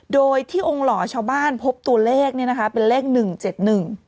โดยที่องค์หล่อชาวบ้านพบตัวเลขเนี่ยนะคะเป็นเลขหนึ่งเจ็ดหนึ่ง